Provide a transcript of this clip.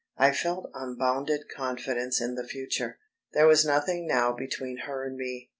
I felt unbounded confidence in the future, there was nothing now between her and me.